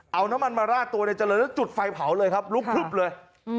เอาน้ำมันมาราดตัวในเจริญแล้วจุดไฟเผาเลยครับลุกพลึบเลย